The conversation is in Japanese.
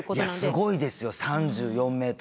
すごいですよ３４ｍ。